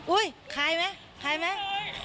อุ๊ยคลายไหมคลายไหม